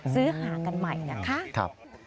ซื้อหากันใหม่นะคะ